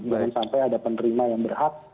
jangan sampai ada penerima yang berhak